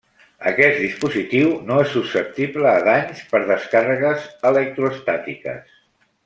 Aquest dispositiu no és susceptible a danys per descàrregues electroestàtiques.